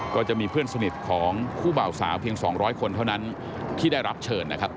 ก็จะมีเพื่อนสนิทของคู่บ่าวสาวเพียง๒๐๐คนเท่านั้นที่ได้รับเชิญนะครับ